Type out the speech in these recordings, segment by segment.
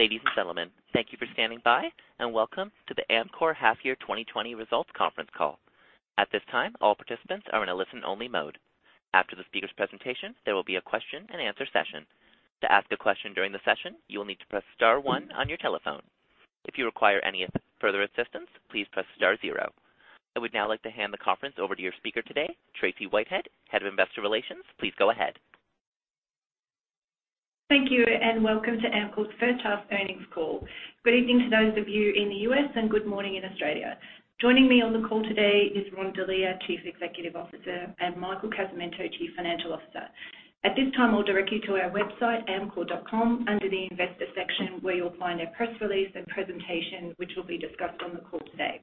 Ladies and gentlemen, thank you for standing by, and welcome to the Amcor Half Year 2020 Results Conference Call. At this time, all participants are in a listen-only mode. After the speaker's presentation, there will be a question-and-answer session. To ask a question during the session, you will need to press star one on your telephone. If you require any further assistance, please press star zero. I would now like to hand the conference over to your speaker today, Tracy Whitehead, Head of Investor Relations. Please go ahead. Thank you, and welcome to Amcor's first half earnings call. Good evening to those of you in the U.S., and good morning in Australia. Joining me on the call today is Ron Delia, Chief Executive Officer, and Michael Casamento, Chief Financial Officer. At this time, I'll direct you to our website, amcor.com, under the investor section, where you'll find our press release and presentation, which will be discussed on the call today.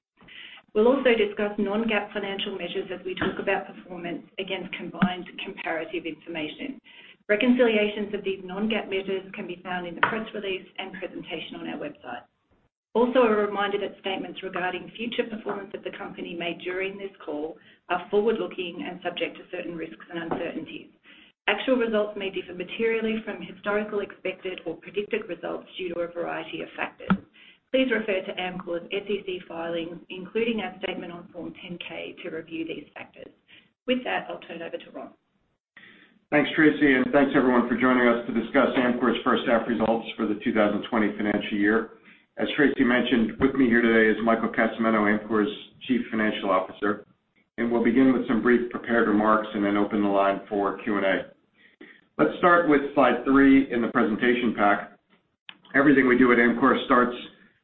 We'll also discuss non-GAAP financial measures as we talk about performance against combined comparative information. Reconciliations of these non-GAAP measures can be found in the press release and presentation on our website. Also, a reminder that statements regarding future performance of the company made during this call are forward-looking and subject to certain risks and uncertainties. Actual results may differ materially from historical, expected, or predicted results due to a variety of factors. Please refer to Amcor's SEC filings, including our statement on Form 10-K, to review these factors. With that, I'll turn it over to Ron. Thanks, Tracy, and thanks, everyone, for joining us to discuss Amcor's first half results for the two thousand and twenty financial year. As Tracy mentioned, with me here today is Michael Casamento, Amcor's Chief Financial Officer, and we'll begin with some brief prepared remarks and then open the line for Q&A. Let's start with slide three in the presentation pack. Everything we do at Amcor starts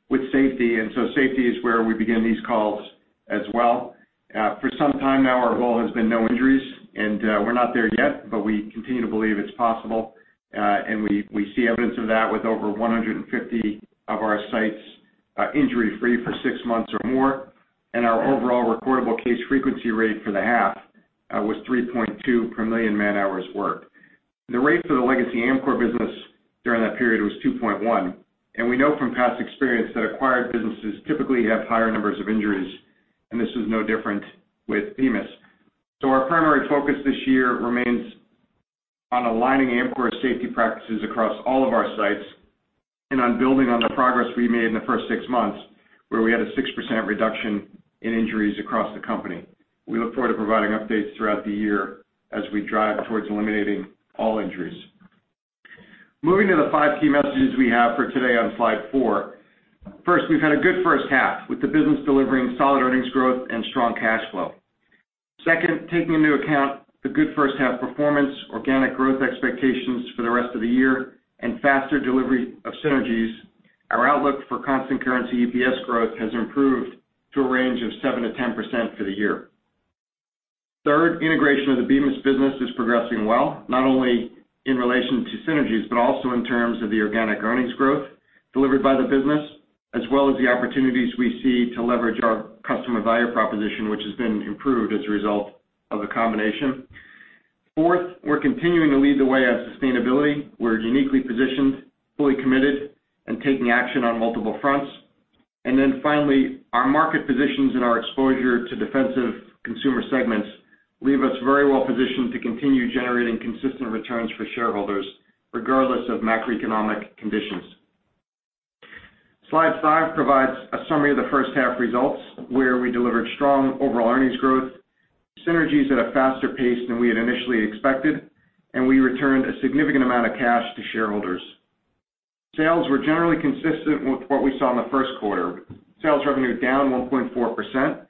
with safety, and so safety is where we begin these calls as well. For some time now, our goal has been no injuries, and we're not there yet, but we continue to believe it's possible, and we see evidence of that with over 150 of our sites, injury-free for six months or more, and our overall recordable case frequency rate for the half was 3.2 per million man-hours worked. The rate for the legacy Amcor business during that period was 2.1, and we know from past experience that acquired businesses typically have higher numbers of injuries, and this is no different with Bemis. So our primary focus this year remains on aligning Amcor's safety practices across all of our sites and on building on the progress we made in the first six months, where we had a 6% reduction in injuries across the company. We look forward to providing updates throughout the year as we drive towards eliminating all injuries. Moving to the five key messages we have for today on slide four. First, we've had a good first half, with the business delivering solid earnings growth and strong cash flow. Second, taking into account the good first half performance, organic growth expectations for the rest of the year, and faster delivery of synergies, our outlook for constant currency EPS growth has improved to a range of 7%-10% for the year. Third, integration of the Bemis business is progressing well, not only in relation to synergies, but also in terms of the organic earnings growth delivered by the business, as well as the opportunities we see to leverage our customer value proposition, which has been improved as a result of the combination. Fourth, we're continuing to lead the way on sustainability. We're uniquely positioned, fully committed, and taking action on multiple fronts. And then finally, our market positions and our exposure to defensive consumer segments leave us very well positioned to continue generating consistent returns for shareholders, regardless of macroeconomic conditions. Slide five provides a summary of the first half results, where we delivered strong overall earnings growth, synergies at a faster pace than we had initially expected, and we returned a significant amount of cash to shareholders. Sales were generally consistent with what we saw in the first quarter. Sales revenue down 1.4%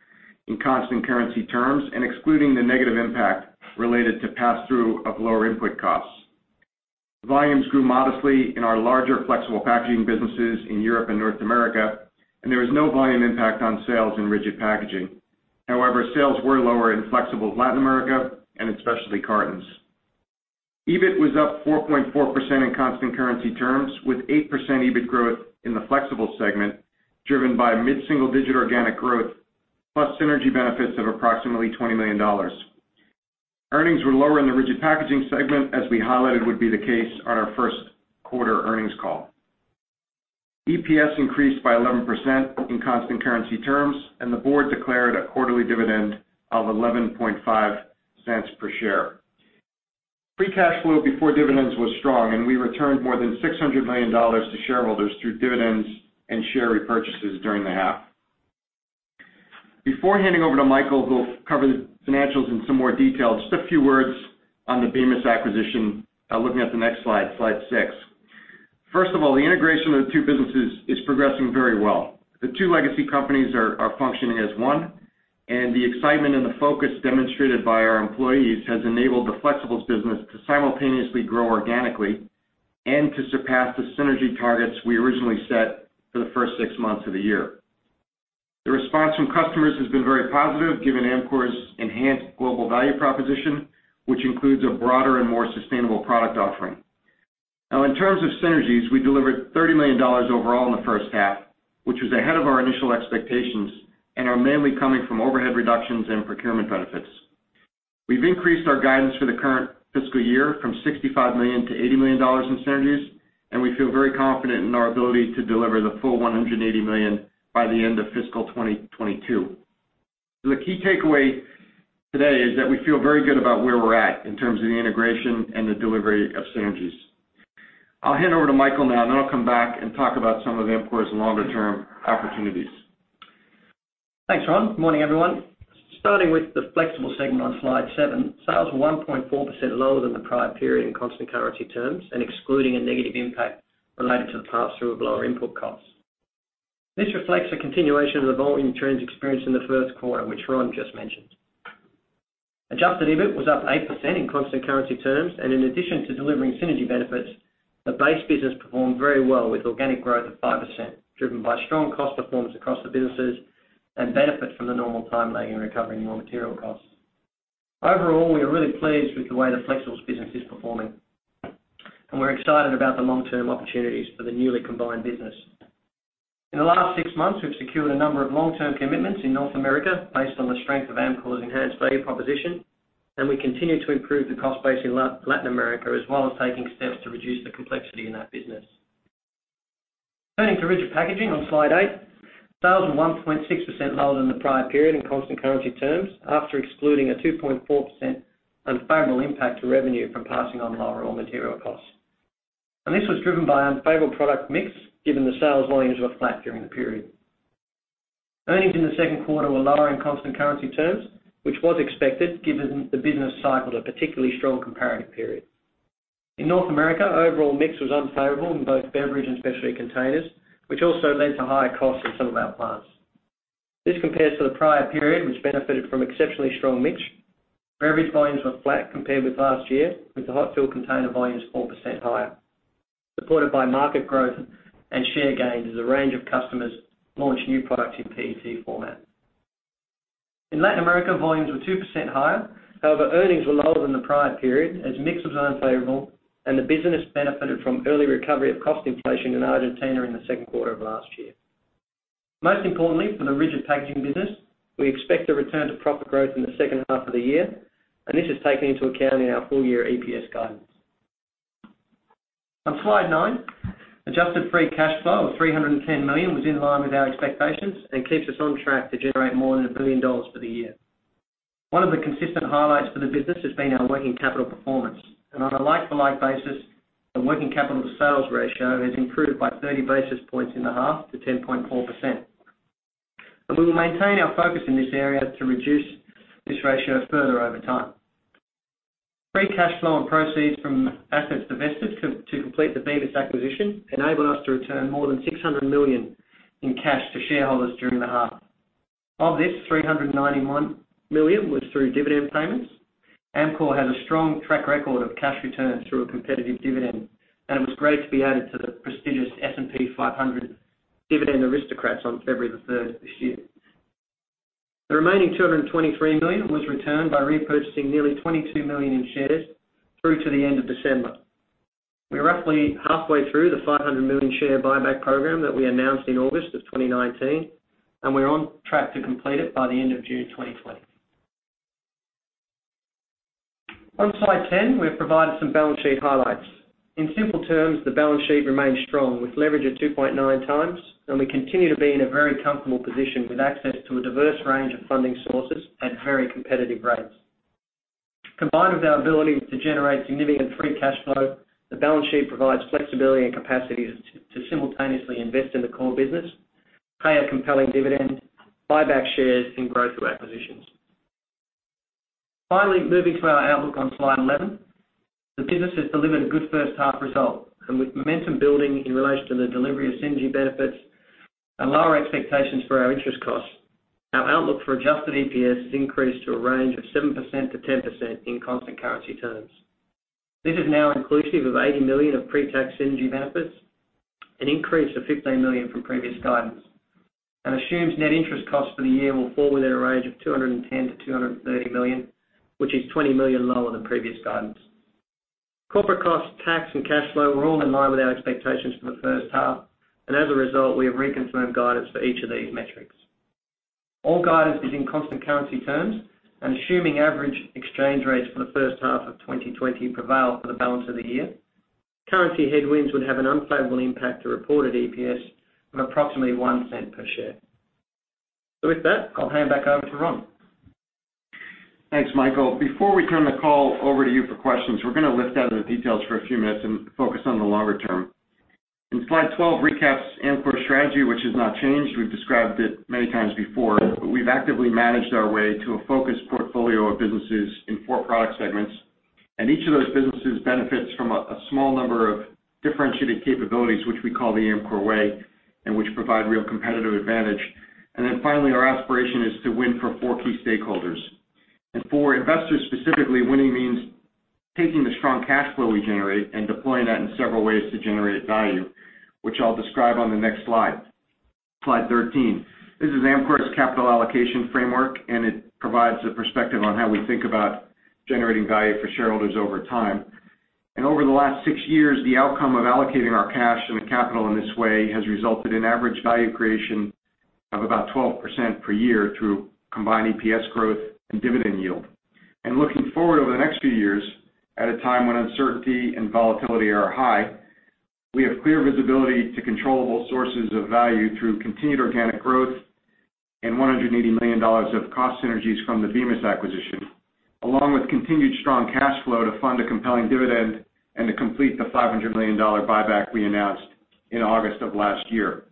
in constant currency terms and excluding the negative impact related to pass-through of lower input costs. Volumes grew modestly in our larger flexible packaging businesses in Europe and North America, and there was no volume impact on sales in Rigid Packaging. However, sales were lower in Flexibles Latin America and especially cartons. EBIT was up 4.4% in constant currency terms, with 8% EBIT growth in the Flexibles segment, driven by mid-single-digit organic growth plus synergy benefits of approximately $20 million. Earnings were lower in the Rigid Packaging segment, as we highlighted would be the case on our first quarter earnings call. EPS increased by 11% in constant currency terms, and the board declared a quarterly dividend of $0.115 per share. Free cash flow before dividends was strong, and we returned more than $600 million to shareholders through dividends and share repurchases during the half. Before handing over to Michael, who'll cover the financials in some more detail, just a few words on the Bemis acquisition, looking at the next slide, slide six. First of all, the integration of the two businesses is progressing very well. The two legacy companies are functioning as one, and the excitement and the focus demonstrated by our employees has enabled the flexibles business to simultaneously grow organically and to surpass the synergy targets we originally set for the first six months of the year. The response from customers has been very positive, given Amcor's enhanced global value proposition, which includes a broader and more sustainable product offering. Now, in terms of synergies, we delivered $30 million overall in the first half, which was ahead of our initial expectations and are mainly coming from overhead reductions and procurement benefits. We've increased our guidance for the current fiscal year from $65 million to $80 million in synergies, and we feel very confident in our ability to deliver the full $180 million by the end of fiscal 2022. So the key takeaway today is that we feel very good about where we're at in terms of the integration and the delivery of synergies. I'll hand over to Michael now, and then I'll come back and talk about some of Amcor's longer-term opportunities. Thanks, Ron. Good morning, everyone. Starting with the Flexibles segment on Slide seven, sales were 1.4% lower than the prior period in constant currency terms and excluding a negative impact related to the pass-through of lower input costs. This reflects a continuation of the volume trends experienced in the first quarter, which Ron just mentioned. Adjusted EBIT was up 8% in constant currency terms, and in addition to delivering synergy benefits, the base business performed very well, with organic growth of 5%, driven by strong cost performance across the businesses and benefit from the normal time lag in recovering raw material costs. Overall, we are really pleased with the way the Flexibles business is performing, and we're excited about the long-term opportunities for the newly combined business. In the last six months, we've secured a number of long-term commitments in North America based on the strength of Amcor's enhanced value proposition, and we continue to improve the cost base in Latin America, as well as taking steps to reduce the complexity in that business. Turning to Rigid Packaging on Slide eight, sales were 1.6% lower than the prior period in constant currency terms, after excluding a 2.4% unfavorable impact to revenue from passing on lower raw material costs. This was driven by unfavorable product mix, given the sales volumes were flat during the period. Earnings in the second quarter were lower in constant currency terms, which was expected, given the business cycled a particularly strong comparative period. In North America, overall mix was unfavorable in both beverage and specialty containers, which also led to higher costs in some of our plants. This compares to the prior period, which benefited from exceptionally strong mix. Beverage volumes were flat compared with last year, with the hot-fill container volumes 4% higher, supported by market growth and share gains as a range of customers launched new products in PET format. In Latin America, volumes were 2% higher. However, earnings were lower than the prior period, as mix was unfavorable and the business benefited from early recovery of cost inflation in Argentina in the second quarter of last year. Most importantly, for the Rigid Packaging business, we expect a return to profit growth in the second half of the year, and this is taken into account in our full-year EPS guidance. On Slide nine, adjusted free cash flow of $310 million was in line with our expectations and keeps us on track to generate more than $1 billion for the year. One of the consistent highlights for the business has been our working capital performance, and on a like-for-like basis, the working capital to sales ratio has improved by 30 basis points in the half to 10.4%. We will maintain our focus in this area to reduce this ratio further over time. Free cash flow and proceeds from assets divested to complete the Bemis acquisition enabled us to return more than $600 million in cash to shareholders during the half. Of this, $391 million was through dividend payments. Amcor has a strong track record of cash returns through a competitive dividend, and it was great to be added to the prestigious S&P 500 Dividend Aristocrats on February the 3rd this year. The remaining $223 million was returned by repurchasing nearly 22 million shares through to the end of December. We're roughly halfway through the $500 million share buyback program that we announced in August of 2019, and we're on track to complete it by the end of June 2020. On Slide 10, we've provided some balance sheet highlights. In simple terms, the balance sheet remains strong, with leverage at 2.9 times, and we continue to be in a very comfortable position, with access to a diverse range of funding sources at very competitive rates. Combined with our ability to generate significant free cash flow, the balance sheet provides flexibility and capacity to simultaneously invest in the core business, pay a compelling dividend, buy back shares, and grow through acquisitions. Finally, moving to our outlook on Slide 11. The business has delivered a good first half result, and with momentum building in relation to the delivery of synergy benefits and lower expectations for our interest costs, our outlook for adjusted EPS has increased to a range of 7%-10% in constant currency terms. This is now inclusive of $80 million of pre-tax synergy benefits, an increase of $15 million from previous guidance, and assumes net interest costs for the year will fall within a range of $210 million to $230 million, which is $20 million lower than previous guidance. Corporate costs, tax, and cash flow were all in line with our expectations for the first half, and as a result, we have reconfirmed guidance for each of these metrics. All guidance is in constant currency terms, and assuming average exchange rates for the first half of 2020 prevail for the balance of the year, currency headwinds would have an unfavorable impact to reported EPS of approximately $0.01 per share. With that, I'll hand back over to Ron. Thanks, Michael. Before we turn the call over to you for questions, we're going to lift out of the details for a few minutes and focus on the longer term. Slide 12 recaps Amcor's strategy, which has not changed. We've described it many times before, but we've actively managed our way to a focused portfolio of businesses in four product segments, and each of those businesses benefits from a small number of differentiated capabilities, which we call the Amcor Way, and which provide real competitive advantage. Finally, our aspiration is to win for four key stakeholders. For investors specifically, winning means taking the strong cash flow we generate and deploying that in several ways to generate value, which I'll describe on the next slide, Slide 13. This is Amcor's capital allocation framework, and it provides a perspective on how we think about generating value for shareholders over time. Over the last six years, the outcome of allocating our cash and capital in this way has resulted in average value creation of about 12% per year through combined EPS growth and dividend yield. Looking forward over the next few years, at a time when uncertainty and volatility are high. We have clear visibility to controllable sources of value through continued organic growth and $180 million of cost synergies from the Bemis acquisition, along with continued strong cash flow to fund a compelling dividend and to complete the $500 million buyback we announced in August of last year.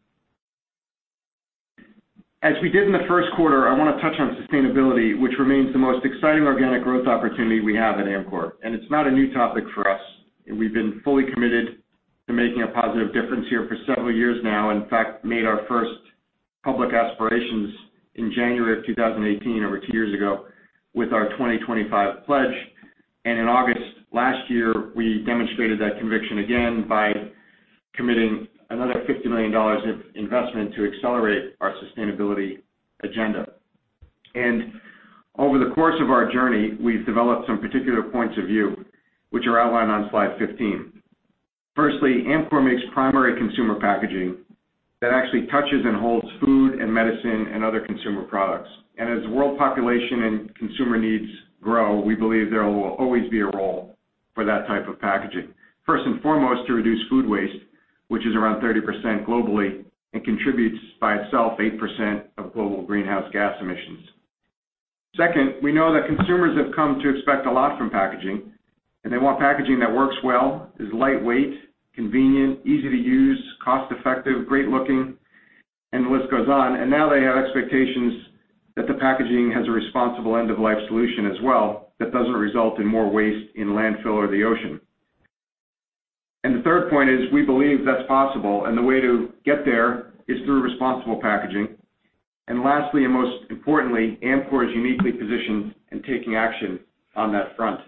As we did in the first quarter, I want to touch on sustainability, which remains the most exciting organic growth opportunity we have at Amcor, and it's not a new topic for us. We've been fully committed to making a positive difference here for several years now, in fact, made our first public aspirations in January of two thousand and eighteen, over two years ago, with our 2025 Pledge, and in August last year, we demonstrated that conviction again by committing another $50 million of investment to accelerate our sustainability agenda, and over the course of our journey, we've developed some particular points of view, which are outlined on slide 15. Firstly, Amcor makes primary consumer packaging that actually touches and holds food and medicine and other consumer products. As world population and consumer needs grow, we believe there will always be a role for that type of packaging. First and foremost, to reduce food waste, which is around 30% globally and contributes by itself 8% of global greenhouse gas emissions. Second, we know that consumers have come to expect a lot from packaging, and they want packaging that works well, is lightweight, convenient, easy to use, cost-effective, great looking, and the list goes on. Now they have expectations that the packaging has a responsible end-of-life solution as well, that doesn't result in more waste in landfill or the ocean. The third point is, we believe that's possible, and the way to get there is through responsible packaging. Lastly, and most importantly, Amcor is uniquely positioned in taking action on that front.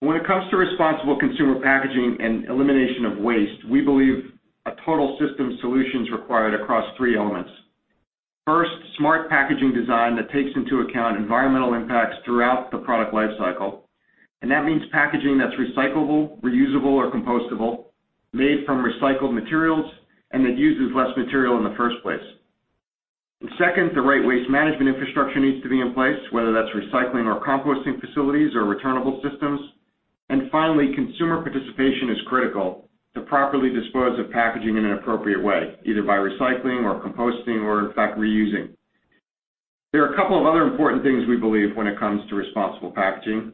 When it comes to responsible consumer packaging and elimination of waste, we believe a total system solution is required across three elements. First, smart packaging design that takes into account environmental impacts throughout the product life cycle. And that means packaging that's recyclable, reusable or compostable, made from recycled materials, and that uses less material in the first place. And second, the right waste management infrastructure needs to be in place, whether that's recycling or composting facilities or returnable systems. And finally, consumer participation is critical to properly dispose of packaging in an appropriate way, either by recycling or composting or, in fact, reusing. There are a couple of other important things we believe when it comes to responsible packaging.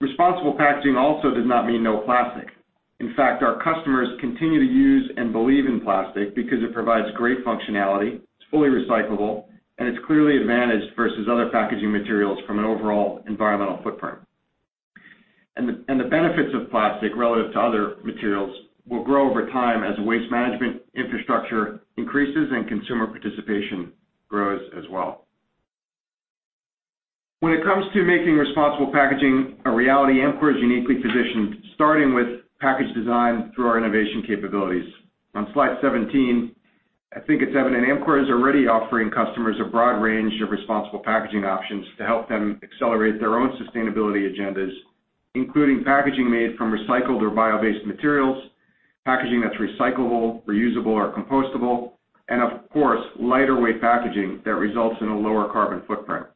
Responsible packaging also does not mean no plastic. In fact, our customers continue to use and believe in plastic because it provides great functionality, it's fully recyclable, and it's clearly advantaged versus other packaging materials from an overall environmental footprint. And the benefits of plastic relative to other materials will grow over time as waste management infrastructure increases and consumer participation grows as well. When it comes to making responsible packaging a reality, Amcor is uniquely positioned, starting with package design through our innovation capabilities. On slide 17, I think it's evident Amcor is already offering customers a broad range of responsible packaging options to help them accelerate their own sustainability agendas, including packaging made from recycled or bio-based materials, packaging that's recyclable, reusable or compostable, and of course, lighter weight packaging that results in a lower carbon footprint.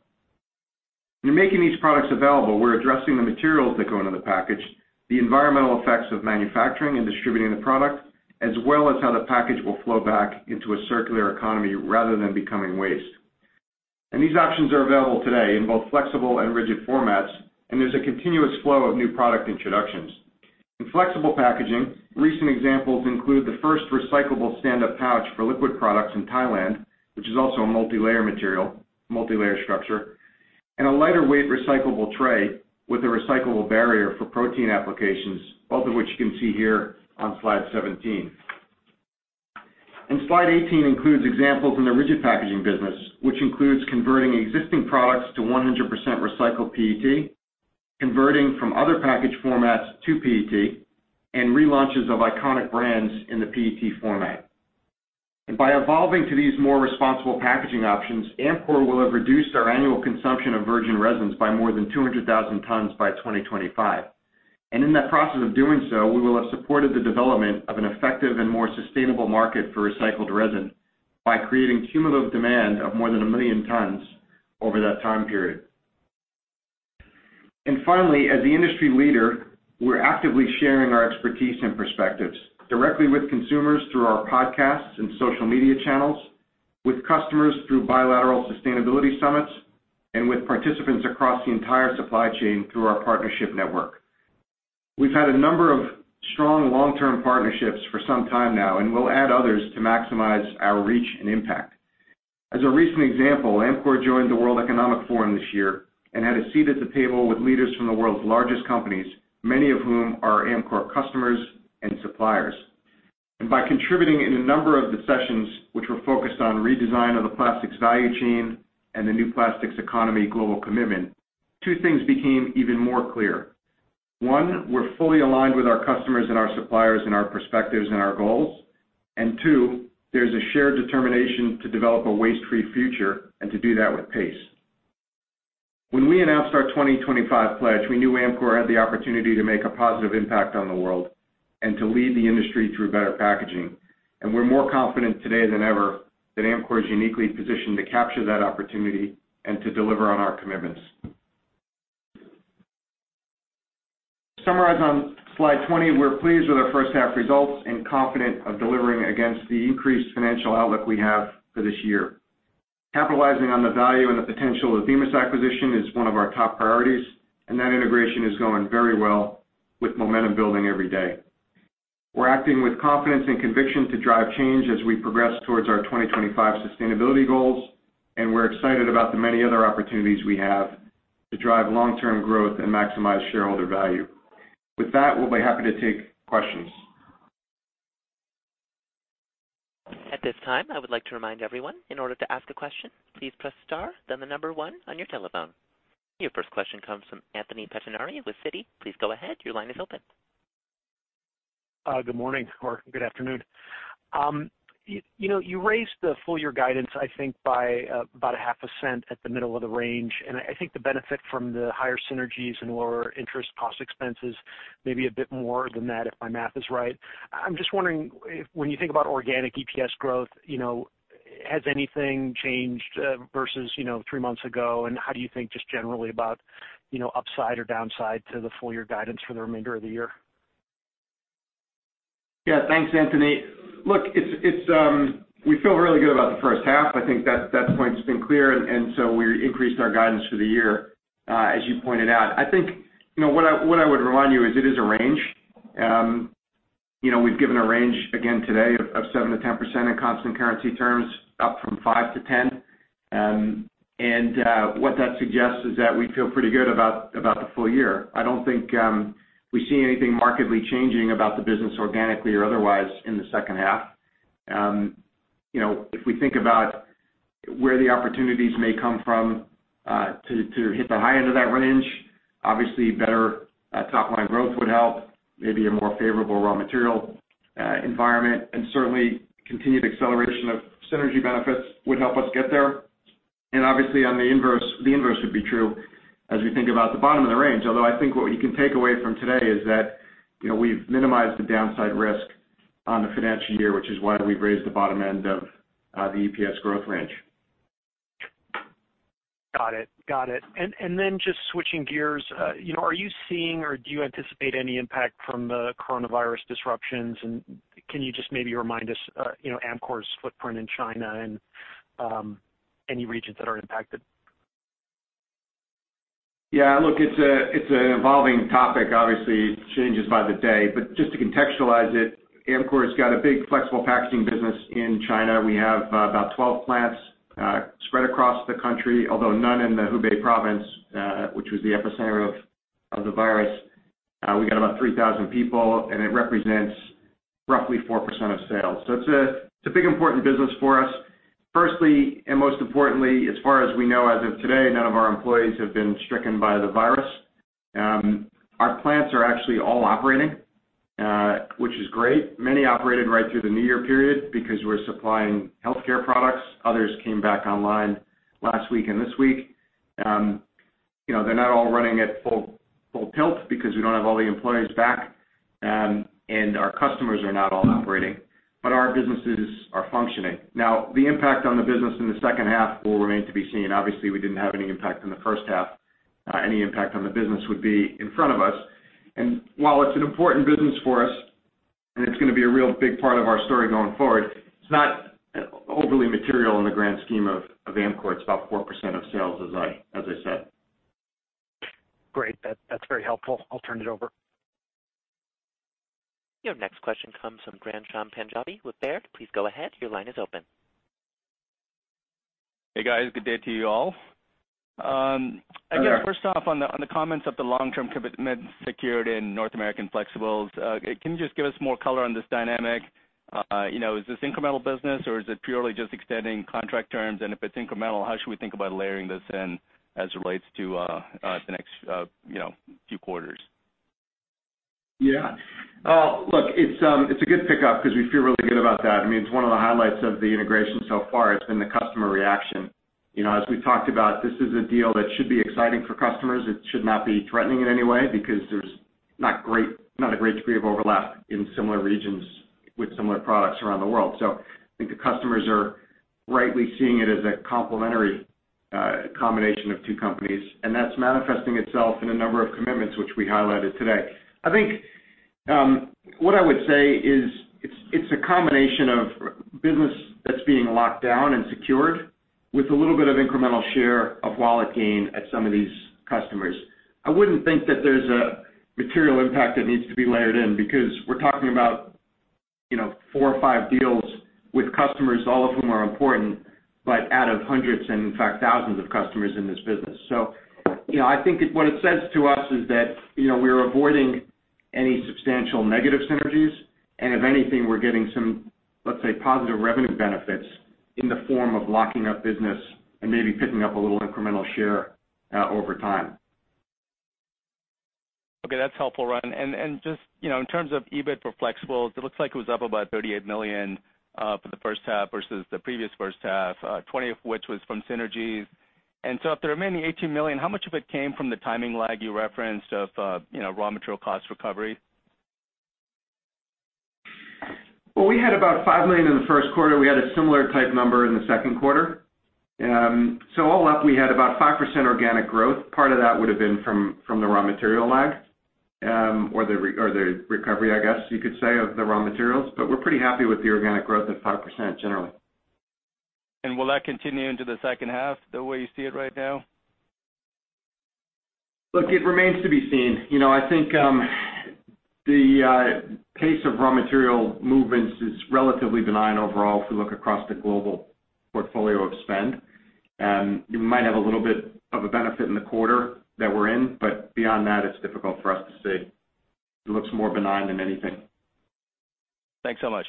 In making these products available, we're addressing the materials that go into the package, the environmental effects of manufacturing and distributing the product, as well as how the package will flow back into a circular economy rather than becoming waste. And these options are available today in both flexible and rigid formats, and there's a continuous flow of new product introductions. In flexible packaging, recent examples include the first recyclable stand-up pouch for liquid products in Thailand, which is also a multilayer structure, and a lighter weight recyclable tray with a recyclable barrier for protein applications, both of which you can see here on slide 17. And slide 18 includes examples in the rigid packaging business, which includes converting existing products to 100% recycled PET, converting from other package formats to PET, and relaunches of iconic brands in the PET format. By evolving to these more responsible packaging options, Amcor will have reduced our annual consumption of virgin resins by more than 200,000 tons by 2025. In that process of doing so, we will have supported the development of an effective and more sustainable market for recycled resin by creating cumulative demand of more than 1 million tons over that time period. Finally, as the industry leader, we're actively sharing our expertise and perspectives directly with consumers through our podcasts and social media channels, with customers through bilateral sustainability summits, and with participants across the entire supply chain through our partnership network. We've had a number of strong long-term partnerships for some time now, and we'll add others to maximize our reach and impact. As a recent example, Amcor joined the World Economic Forum this year and had a seat at the table with leaders from the world's largest companies, many of whom are Amcor customers and suppliers. By contributing in a number of the sessions, which were focused on redesign of the plastics value chain and the New Plastics Economy Global Commitment, two things became even more clear. One, we're fully aligned with our customers and our suppliers in our perspectives and our goals. Two, there's a shared determination to develop a waste-free future and to do that with pace. When we announced our 2025 Pledge, we knew Amcor had the opportunity to make a positive impact on the world and to lead the industry through better packaging. We're more confident today than ever that Amcor is uniquely positioned to capture that opportunity and to deliver on our commitments... To summarize on Slide 20, we're pleased with our first half results and confident of delivering against the increased financial outlook we have for this year. Capitalizing on the value and the potential of the Bemis acquisition is one of our top priorities, and that integration is going very well, with momentum building every day. We're acting with confidence and conviction to drive change as we progress towards our 2025 sustainability goals, and we're excited about the many other opportunities we have to drive long-term growth and maximize shareholder value. With that, we'll be happy to take questions. At this time, I would like to remind everyone, in order to ask a question, please press star, then the number one on your telephone. Your first question comes from Anthony Pettinari with Citi. Please go ahead. Your line is open. Good morning or good afternoon. You know, you raised the full year guidance, I think, by about $0.005 at the middle of the range, and I think the benefit from the higher synergies and lower interest cost expenses may be a bit more than that, if my math is right. I'm just wondering, when you think about organic EPS growth, you know, has anything changed versus, you know, three months ago? And how do you think just generally about, you know, upside or downside to the full year guidance for the remainder of the year? Yeah, thanks, Anthony. Look, it's we feel really good about the first half. I think that point's been clear, and so we increased our guidance for the year, as you pointed out. I think, you know, what I would remind you is it is a range. You know, we've given a range again today of 7%-10% in constant currency terms, up from 5%-10%. And what that suggests is that we feel pretty good about the full year. I don't think we see anything markedly changing about the business organically or otherwise in the second half. You know, if we think about where the opportunities may come from to hit the high end of that range, obviously better top line growth would help. Maybe a more favorable raw material environment, and certainly continued acceleration of synergy benefits would help us get there. And obviously, on the inverse, the inverse would be true as we think about the bottom of the range. Although I think what you can take away from today is that, you know, we've minimized the downside risk on the financial year, which is why we've raised the bottom end of the EPS growth range. Got it. Got it. And then just switching gears, you know, are you seeing or do you anticipate any impact from the coronavirus disruptions? And can you just maybe remind us, you know, Amcor's footprint in China and any regions that are impacted? Yeah, look, it's an evolving topic. Obviously, it changes by the day, but just to contextualize it, Amcor's got a big flexible packaging business in China. We have about 12 plants spread across the country, although none in the Hubei province, which was the epicenter of the virus. We got about 3,000 people, and it represents roughly 4% of sales. So it's a big important business for us. Firstly, and most importantly, as far as we know, as of today, none of our employees have been stricken by the virus. Our plants are actually all operating, which is great. Many operated right through the New Year period because we're supplying healthcare products. Others came back online last week and this week. You know, they're not all running at full, full tilt because we don't have all the employees back, and our customers are not all operating, but our businesses are functioning. Now, the impact on the business in the second half will remain to be seen. Obviously, we didn't have any impact in the first half. Any impact on the business would be in front of us. And while it's an important business for us, and it's going to be a real big part of our story going forward, it's not overly material in the grand scheme of Amcor. It's about 4% of sales, as I said. Great. That's very helpful. I'll turn it over. Your next question comes from Ghansham Panjabi with Baird. Please go ahead. Your line is open. Hey, guys, good day to you all. Again, first off, on the comments of the long-term commitment secured in North American Flexibles, can you just give us more color on this dynamic? You know, is this incremental business, or is it purely just extending contract terms? And if it's incremental, how should we think about layering this in as it relates to the next, you know, few quarters? Yeah. Look, it's a good pickup because we feel really good about that. I mean, it's one of the highlights of the integration so far. It's been the customer reaction. You know, as we talked about, this is a deal that should be exciting for customers. It should not be threatening in any way because there's not a great degree of overlap in similar regions with similar products around the world. So I think the customers are rightly seeing it as a complementary combination of two companies, and that's manifesting itself in a number of commitments, which we highlighted today. I think, what I would say is it's a combination of business that's being locked down and secured with a little bit of incremental share of wallet gain at some of these customers. I wouldn't think that there's a material impact that needs to be layered in because we're talking about, you know, four or five deals with customers, all of whom are important, but out of hundreds and, in fact, thousands of customers in this business. So, you know, I think what it says to us is that, you know, we're avoiding any substantial negative synergies, and if anything, we're getting some, let's say, positive revenue benefits in the form of locking up business and maybe picking up a little incremental share over time. Okay, that's helpful, Ron. And just, you know, in terms of EBIT for Flexibles, it looks like it was up about thirty-eight million for the first half versus the previous first half, twenty of which was from synergies. And so of the remaining eighteen million, how much of it came from the timing lag you referenced of, you know, raw material cost recovery?... We had about five million in the first quarter. We had a similar type number in the second quarter. So all up, we had about 5% organic growth. Part of that would have been from the raw material lag, or the recovery, I guess, you could say, of the raw materials, but we're pretty happy with the organic growth at 5% generally. Will that continue into the second half, the way you see it right now? Look, it remains to be seen. You know, I think, the pace of raw material movements is relatively benign overall, if you look across the global portfolio of spend. You might have a little bit of a benefit in the quarter that we're in, but beyond that, it's difficult for us to see. It looks more benign than anything. Thanks so much.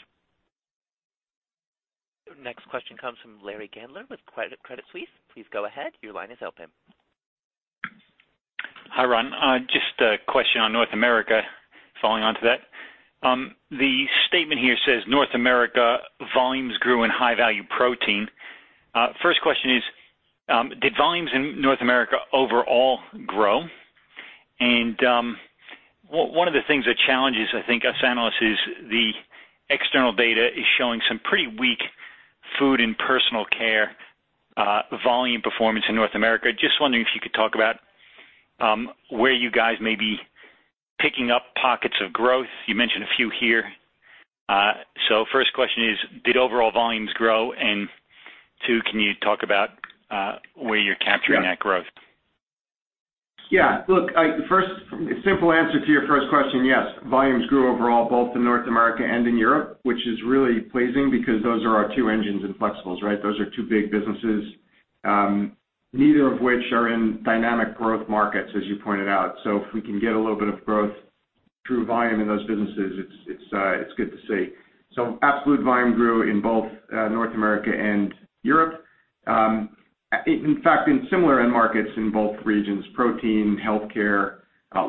Next question comes from Larry Gandler with Credit Suisse. Please go ahead. Your line is open. Hi, Ron. Just a question on North America, following on to that. The statement here says, North America volumes grew in high-value protein. First question is, did volumes in North America overall grow? And, one of the things that challenges, I think, us analysts, is the external data is showing some pretty weak food and personal care, volume performance in North America. Just wondering if you could talk about, where you guys may be picking up pockets of growth. You mentioned a few here. So first question is, did overall volumes grow? And two, can you talk about, where you're capturing that growth? Yeah. Look, I first, simple answer to your first question, yes, volumes grew overall, both in North America and in Europe, which is really pleasing because those are our two engines in flexibles, right? Those are two big businesses, neither of which are in dynamic growth markets, as you pointed out. So if we can get a little bit of growth through volume in those businesses, it's good to see. So absolute volume grew in both, North America and Europe. In fact, in similar end markets in both regions, protein, health care,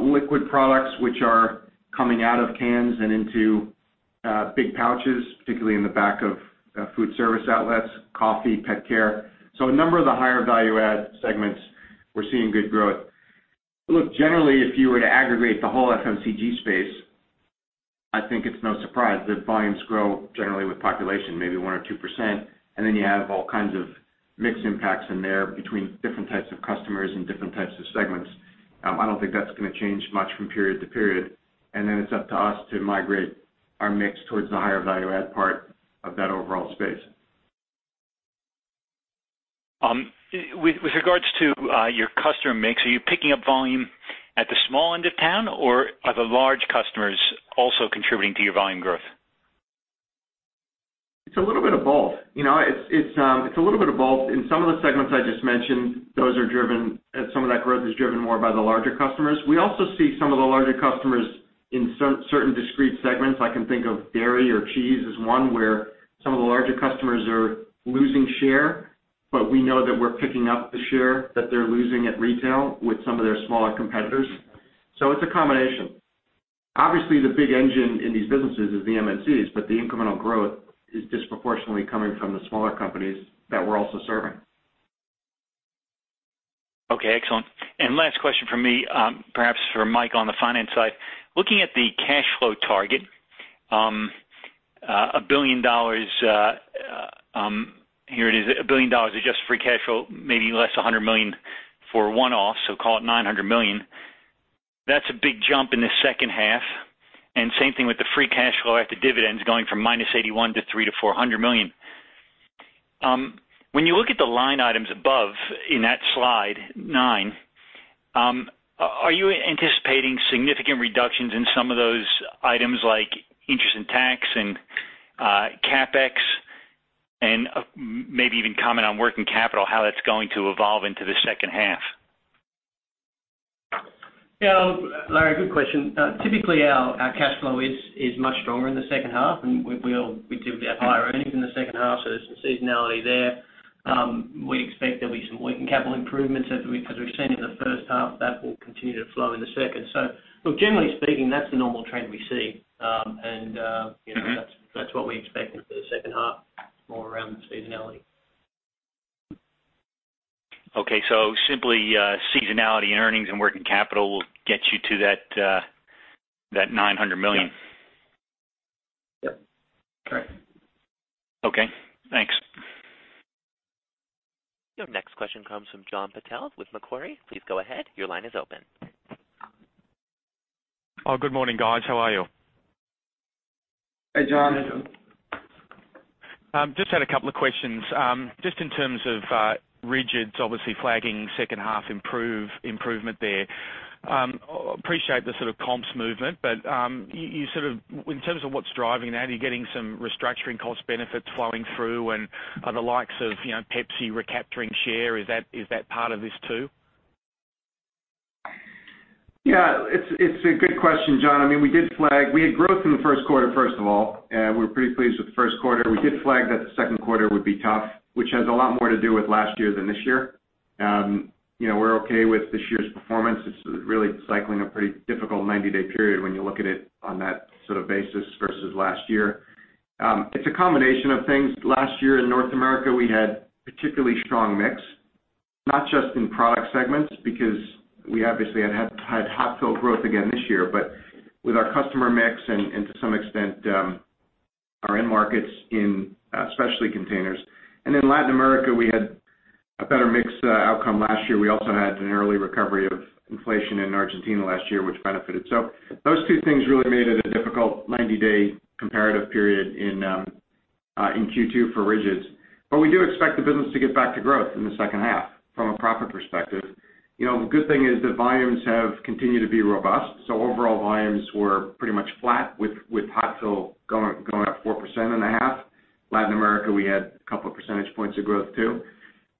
liquid products, which are coming out of cans and into big pouches, particularly in the back of food service outlets, coffee, pet care. So a number of the higher value add segments, we're seeing good growth. Look, generally, if you were to aggregate the whole FMCG space, I think it's no surprise that volumes grow generally with population, maybe 1% or 2%, and then you have all kinds of mixed impacts in there between different types of customers and different types of segments. I don't think that's gonna change much from period to period, and then it's up to us to migrate our mix towards the higher value add part of that overall space. With regards to your customer mix, are you picking up volume at the small end of town, or are the large customers also contributing to your volume growth? It's a little bit of both. You know, it's a little bit of both. In some of the segments I just mentioned, those are driven, and some of that growth is driven more by the larger customers. We also see some of the larger customers in certain discrete segments. I can think of dairy or cheese as one, where some of the larger customers are losing share, but we know that we're picking up the share that they're losing at retail with some of their smaller competitors. So it's a combination. Obviously, the big engine in these businesses is the MNCs, but the incremental growth is disproportionately coming from the smaller companies that we're also serving. Okay, excellent. And last question from me, perhaps for Mike on the finance side. Looking at the cash flow target, a billion dollars of just free cash flow, maybe less one hundred million for a one-off, so call it nine hundred million. That's a big jump in the second half, and same thing with the free cash flow after dividends going from minus eighty-one to three to four hundred million. When you look at the line items above in that slide, nine, are you anticipating significant reductions in some of those items, like interest and tax and CapEx? And maybe even comment on working capital, how that's going to evolve into the second half. Yeah, Larry, good question. Typically, our cash flow is much stronger in the second half, and we typically have higher earnings in the second half, so there's some seasonality there. We expect there'll be some working capital improvements because we've seen in the first half that will continue to flow in the second. So look, generally speaking, that's the normal trend we see. And, you know, that's what we're expecting for the second half, more around the seasonality. Okay. So simply, seasonality in earnings and working capital will get you to that $900 million? Yep. Correct. Okay, thanks. Your next question comes from John Purtell with Macquarie. Please go ahead. Your line is open. Oh, good morning, guys. How are you? Hey, John. Hey, John. Just had a couple of questions. Just in terms of Rigids, obviously flagging second half improvement there. Appreciate the sort of comps movement, but you sort of in terms of what's driving that, are you getting some restructuring cost benefits flowing through, and are the likes of, you know, Pepsi recapturing share? Is that part of this, too? Yeah, it's a good question, John. I mean, we did flag that. We had growth in the first quarter, first of all, we're pretty pleased with the first quarter. We did flag that the second quarter would be tough, which has a lot more to do with last year than this year. You know, we're okay with this year's performance. It's really cycling a pretty difficult ninety-day period when you look at it on that sort of basis versus last year. It's a combination of things. Last year in North America, we had particularly strong mix, not just in product segments, because we obviously had hot-fill growth again this year, but with our customer mix and, and to some extent, our end markets in, especially containers, and in Latin America, we had a better mix outcome last year. We also had an early recovery of inflation in Argentina last year, which benefited. So those two things really made it a difficult 90-day comparative period in Q2 for rigids. But we do expect the business to get back to growth in the second half from a profit perspective. You know, the good thing is that volumes have continued to be robust, so overall volumes were pretty much flat with hot fill going up 4.5%. Latin America, we had a couple of percentage points of growth, too.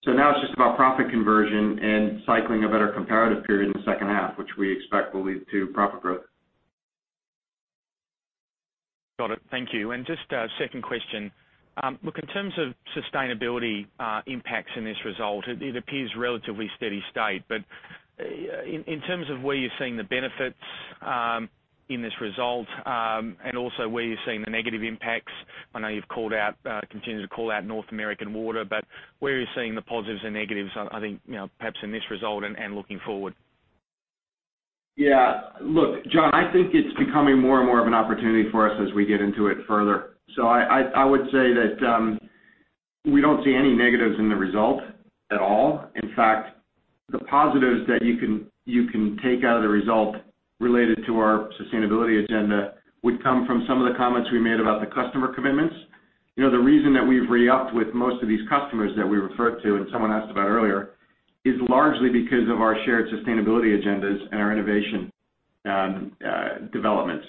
So now it's just about profit conversion and cycling a better comparative period in the second half, which we expect will lead to profit growth. Got it. Thank you, and just a second question. Look, in terms of sustainability impacts in this result, it appears relatively steady state. But in terms of where you're seeing the benefits in this result, and also where you're seeing the negative impacts, I know you've continued to call out North American Water, but where are you seeing the positives and negatives? I think, you know, perhaps in this result and looking forward? Yeah. Look, John, I think it's becoming more and more of an opportunity for us as we get into it further. So I would say that we don't see any negatives in the result at all. In fact, the positives that you can take out of the result related to our sustainability agenda would come from some of the comments we made about the customer commitments. You know, the reason that we've re-upped with most of these customers that we referred to, and someone asked about earlier, is largely because of our shared sustainability agendas and our innovation developments.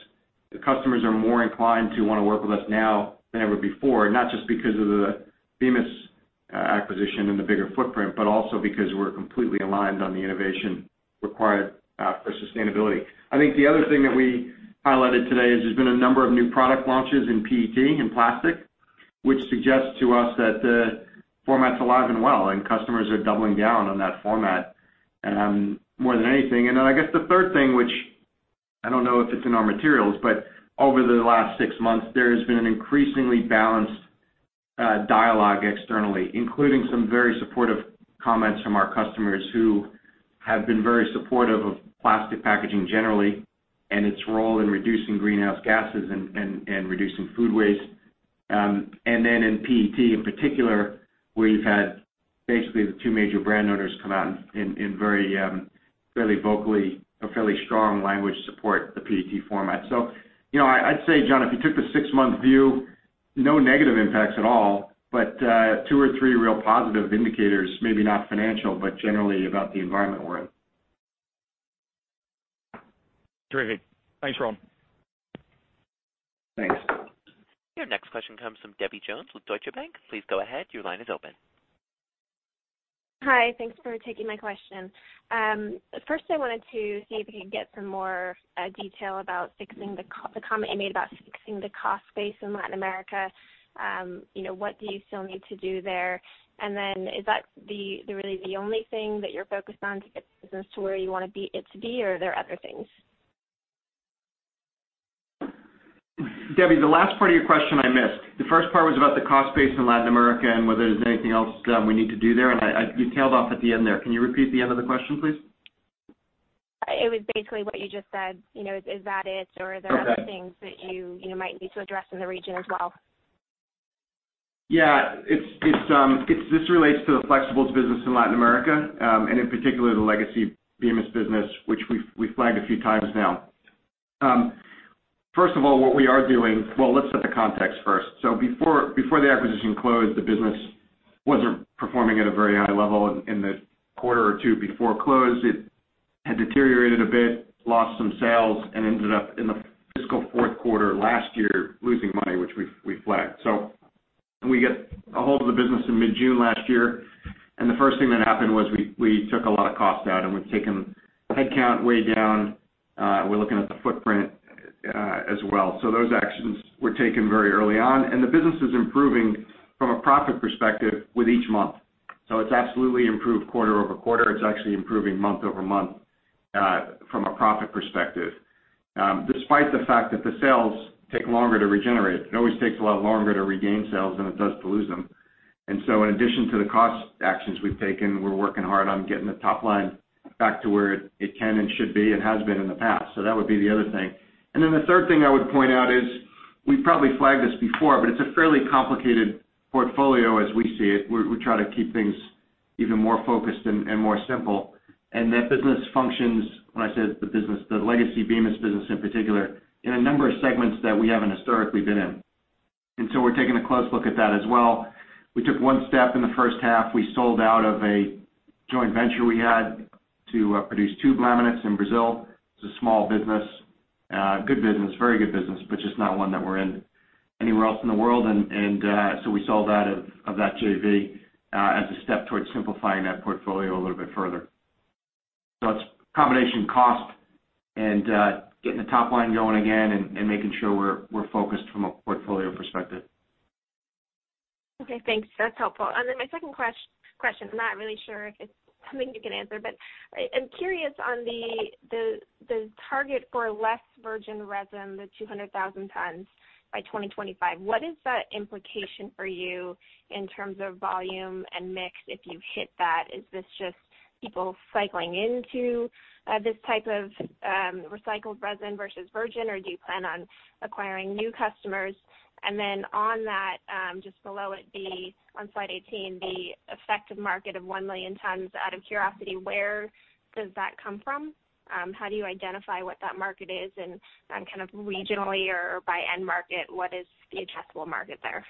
The customers are more inclined to want to work with us now than ever before, not just because of the Bemis acquisition and the bigger footprint, but also because we're completely aligned on the innovation required for sustainability. I think the other thing that we highlighted today is there's been a number of new product launches in PET and plastic, which suggests to us that the format's alive and well, and customers are doubling down on that format, more than anything. And then I guess the third thing, which I don't know if it's in our materials, but over the last six months, there has been an increasingly balanced dialogue externally, including some very supportive comments from our customers who have been very supportive of plastic packaging generally, and its role in reducing greenhouse gases and reducing food waste. And then in PET, in particular, where you've had basically the two major brand owners come out in very fairly vocally a fairly strong language support the PET format. You know, I, I'd say, John, if you took the six-month view, no negative impacts at all, but two or three real positive indicators, maybe not financial, but generally about the environment we're in. Terrific. Thanks, Ron. Thanks. Your next question comes from Debbie Jones with Deutsche Bank. Please go ahead. Your line is open. Hi. Thanks for taking my question. First, I wanted to see if we could get some more detail about the comment you made about fixing the cost base in Latin America. You know, what do you still need to do there? And then is that really the only thing that you're focused on to get business to where you want it to be, or are there other things? Debbie, the last part of your question I missed. The first part was about the cost base in Latin America and whether there's anything else we need to do there, and you tailed off at the end there. Can you repeat the end of the question, please? It was basically what you just said. You know, is that it? Okay. Or are there other things that you might need to address in the region as well? Yeah, it's this relates to the flexibles business in Latin America, and in particular, the legacy Bemis business, which we've flagged a few times now. First of all, what we are doing, well, let's set the context first, so before the acquisition closed, the business wasn't performing at a very high level. In the quarter or two before close, it had deteriorated a bit, lost some sales, and ended up in the fiscal fourth quarter last year, losing money, which we've flagged, so we get a hold of the business in mid-June last year, and the first thing that happened was we took a lot of cost out, and we've taken the headcount way down. We're looking at the footprint as well. Those actions were taken very early on, and the business is improving from a profit perspective with each month. It's absolutely improved quarter over quarter. It's actually improving month over month from a profit perspective, despite the fact that the sales take longer to regenerate. It always takes a lot longer to regain sales than it does to lose them. And so in addition to the cost actions we've taken, we're working hard on getting the top line back to where it can and should be and has been in the past. That would be the other thing. And then the third thing I would point out is, we've probably flagged this before, but it's a fairly complicated portfolio as we see it. We try to keep things even more focused and more simple. That business functions, when I say the business, the legacy Bemis business in particular, in a number of segments that we haven't historically been in. We're taking a close look at that as well. We took one step in the first half. We sold out of a joint venture we had to produce tube laminates in Brazil. It's a small business, good business, very good business, but just not one that we're in anywhere else in the world. We sold that of that JV as a step towards simplifying that portfolio a little bit further. It's a combination of cost and getting the top line going again and making sure we're focused from a portfolio perspective. Okay, thanks. That's helpful. And then my second question, I'm not really sure if it's something you can answer, but I'm curious on the target for less virgin resin, the 200,000 tons by 2025. What is the implication for you in terms of volume and mix if you hit that? Is this just- ... people cycling into this type of recycled resin versus virgin, or do you plan on acquiring new customers? And then on that, just below it, the one on slide 18, the effective market of one million tons. Out of curiosity, where does that come from? How do you identify what that market is? And, kind of regionally or by end market, what is the addressable market there?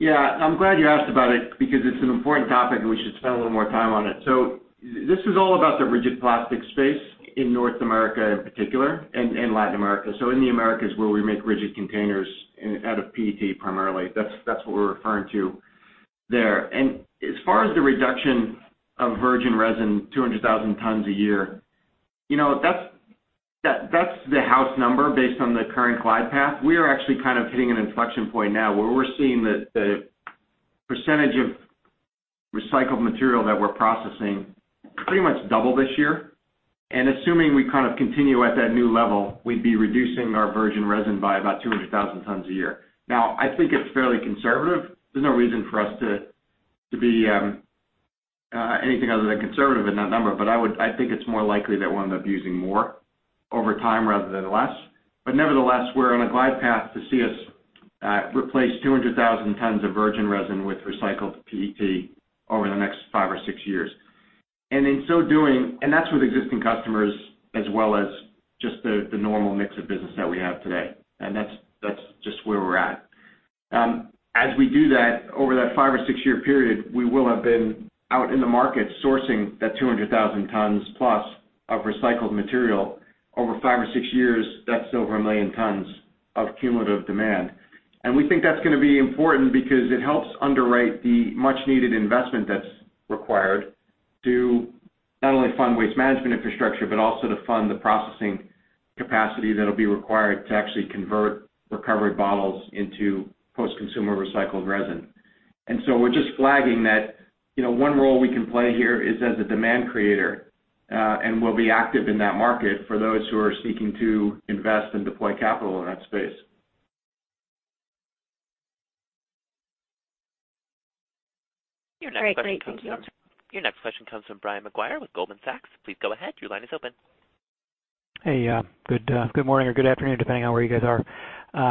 Yeah, I'm glad you asked about it because it's an important topic, and we should spend a little more time on it. So this is all about the rigid plastic space in North America, in particular, and Latin America. So in the Americas, where we make rigid containers out of PET, primarily, that's what we're referring to there. And as far as the reduction of virgin resin, 200,000 tons a year, you know, that's the house number based on the current glide path. We are actually kind of hitting an inflection point now where we're seeing that the percentage of recycled material that we're processing pretty much double this year. And assuming we kind of continue at that new level, we'd be reducing our virgin resin by about 200,000 tons a year. Now, I think it's fairly conservative. There's no reason for us to be anything other than conservative in that number, but I would I think it's more likely that we'll end up using more over time rather than less. But nevertheless, we're on a glide path to see us replace 200,000 tons of virgin resin with recycled PET over the next five or six years. And in so doing, and that's with existing customers as well as just the normal mix of business that we have today, and that's just where we're at. As we do that, over that five- or six-year period, we will have been out in the market sourcing that 200,000 tons plus of recycled material over five or six years, that's over 1 million tons of cumulative demand. And we think that's gonna be important because it helps underwrite the much-needed investment that's required to not only fund waste management infrastructure, but also to fund the processing capacity that'll be required to actually convert recovered bottles into post-consumer recycled resin. And so we're just flagging that, you know, one role we can play here is as a demand creator, and we'll be active in that market for those who are seeking to invest and deploy capital in that space. Great. Great. Thank you. Your next question comes from Brian Maguire with Goldman Sachs. Please go ahead. Your line is open. Hey, good morning or good afternoon, depending on where you guys are. Just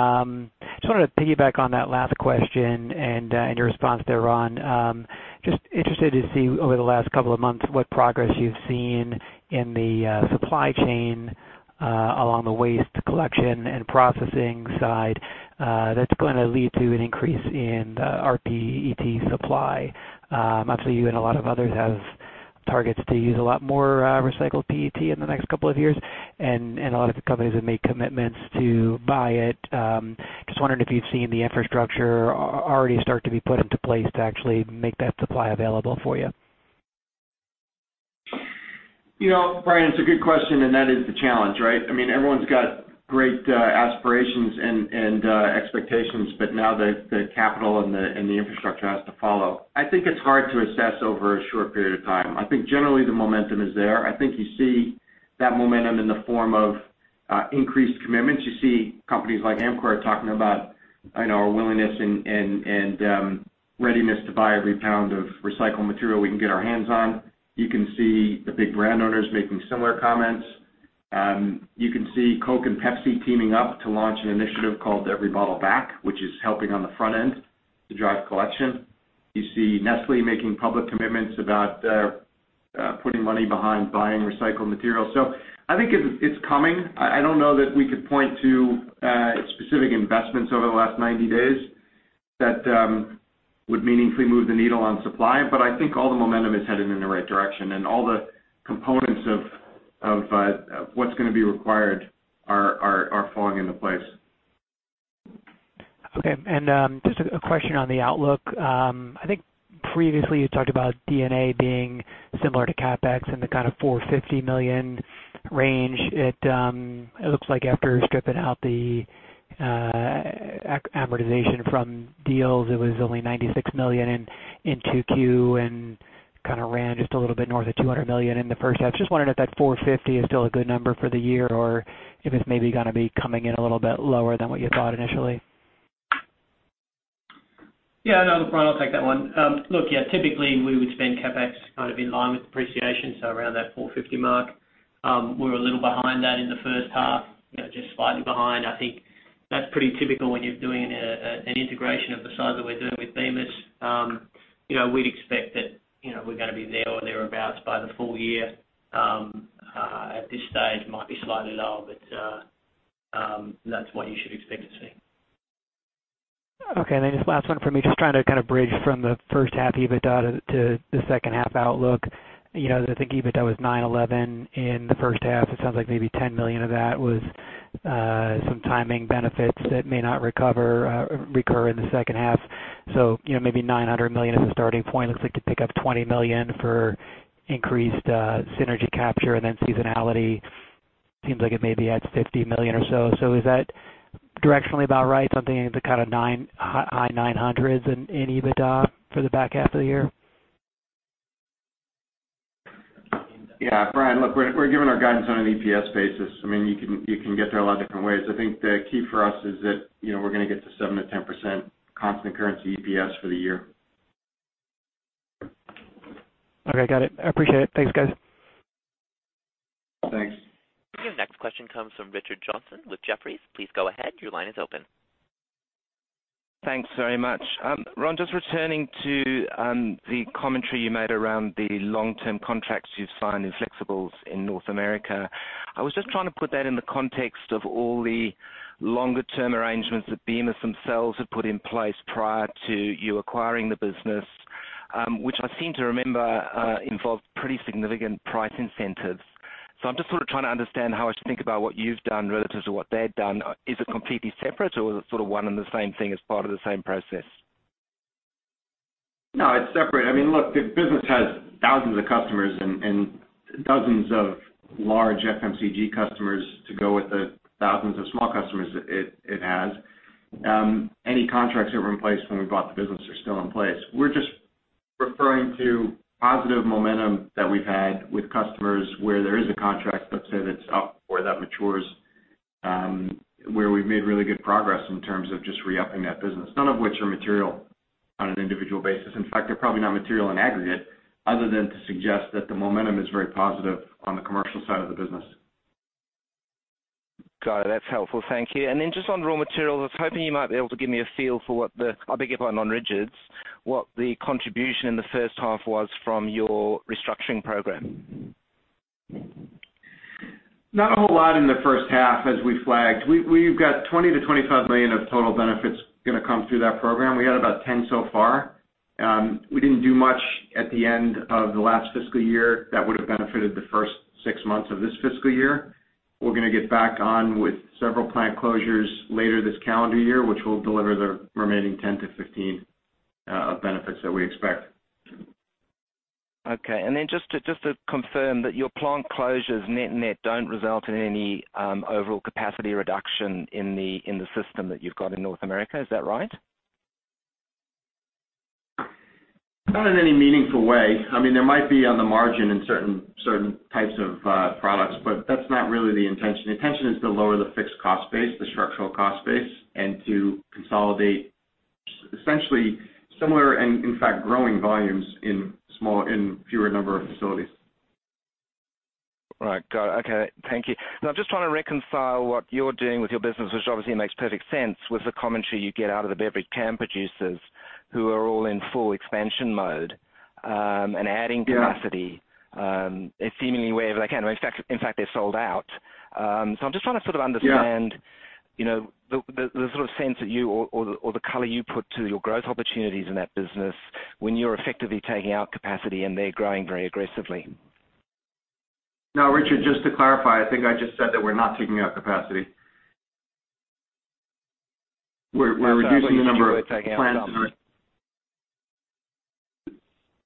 wanted to piggyback on that last question and your response there, Ron. Just interested to see over the last couple of months, what progress you've seen in the supply chain along the waste collection and processing side that's gonna lead to an increase in the rPET supply. Obviously, you and a lot of others have targets to use a lot more recycled PET in the next couple of years, and a lot of the companies have made commitments to buy it. Just wondering if you've seen the infrastructure already start to be put into place to actually make that supply available for you. You know, Brian, it's a good question, and that is the challenge, right? I mean, everyone's got great aspirations and expectations, but now the capital and the infrastructure has to follow. I think it's hard to assess over a short period of time. I think generally the momentum is there. I think you see that momentum in the form of increased commitments. You see companies like Amcor talking about, I know, our willingness and readiness to buy every pound of recycled material we can get our hands on. You can see the big brand owners making similar comments. You can see Coke and Pepsi teaming up to launch an initiative called Every Bottle Back, which is helping on the front end to drive collection. You see Nestlé making public commitments about putting money behind buying recycled materials. So I think it's, it's coming. I don't know that we could point to specific investments over the last ninety days that would meaningfully move the needle on supply, but I think all the momentum is headed in the right direction, and all the components of what's gonna be required are falling into place. Okay. And, just a question on the outlook. I think previously you talked about D&A being similar to CapEx in the kind of $450 million range. It looks like after stripping out the amortization from deals, it was only $96 million in 2Q and kind of ran just a little bit north of $200 million in the first half. Just wondering if that $450 is still a good number for the year, or if it's maybe gonna be coming in a little bit lower than what you thought initially. Yeah, no, Brian, I'll take that one. Look, yeah, typically, we would spend CapEx kind of in line with depreciation, so around that $450 million mark. We're a little behind that in the first half, you know, just slightly behind. I think that's pretty typical when you're doing an integration of the size that we're doing with Bemis. You know, we'd expect that, you know, we're gonna be there or thereabouts by the full year. At this stage, might be slightly lower, but, that's what you should expect to see. Okay, and then just last one for me, just trying to kind of bridge from the first half EBITDA to the second half outlook. You know, I think EBITDA was $911 million in the first half. It sounds like maybe $10 million of that was some timing benefits that may not recover, recur in the second half. So, you know, maybe $900 million is the starting point. Looks like to pick up $20 million for increased synergy capture, and then seasonality seems like it may be at $50 million or so. So is that directionally about right? Something in the kind of nine-- high $900s in EBITDA for the back half of the year? ... Yeah, Brian, look, we're, we're giving our guidance on an EPS basis. I mean, you can, you can get there a lot of different ways. I think the key for us is that, you know, we're gonna get to 7%-10% constant currency EPS for the year. Okay, got it. I appreciate it. Thanks, guys. Thanks. Your next question comes from Richard Johnson with Jefferies. Please go ahead. Your line is open. Thanks very much. Ron, just returning to the commentary you made around the long-term contracts you've signed in flexibles in North America. I was just trying to put that in the context of all the longer-term arrangements that Bemis themselves have put in place prior to you acquiring the business, which I seem to remember involved pretty significant price incentives. So I'm just sort of trying to understand how I should think about what you've done relative to what they've done. Is it completely separate, or is it sort of one and the same thing as part of the same process? No, it's separate. I mean, look, the business has thousands of customers and dozens of large FMCG customers to go with the thousands of small customers it has. Any contracts that were in place when we bought the business are still in place. We're just referring to positive momentum that we've had with customers where there is a contract, let's say, that's up or that matures, where we've made really good progress in terms of just re-upping that business, none of which are material on an individual basis. In fact, they're probably not material in aggregate, other than to suggest that the momentum is very positive on the commercial side of the business. Got it. That's helpful. Thank you. And then just on raw materials, I was hoping you might be able to give me a feel for what the, I beg your pardon, on rigids, what the contribution in the first half was from your restructuring program? Not a whole lot in the first half, as we flagged. We've got $20-$25 million of total benefits gonna come through that program. We had about $10 million so far. We didn't do much at the end of the last fiscal year that would have benefited the first six months of this fiscal year. We're gonna get back on with several plant closures later this calendar year, which will deliver the remaining $10-$15 million of benefits that we expect. Okay. And then just to confirm that your plant closures, net-net, don't result in any overall capacity reduction in the system that you've got in North America. Is that right? Not in any meaningful way. I mean, there might be on the margin in certain types of products, but that's not really the intention. The intention is to lower the fixed cost base, the structural cost base, and to consolidate essentially similar and in fact, growing volumes in fewer number of facilities. All right, got it. Okay. Thank you. Now, I'm just trying to reconcile what you're doing with your business, which obviously makes perfect sense with the commentary you get out of the beverage can producers who are all in full expansion mode, and adding capacity- Yeah... seemingly wherever they can. In fact, they're sold out. So I'm just trying to sort of understand- Yeah... you know, the sort of sense or the color you put to your growth opportunities in that business when you're effectively taking out capacity and they're growing very aggressively. No, Richard, just to clarify, I think I just said that we're not taking out capacity. We're reducing the number of plants.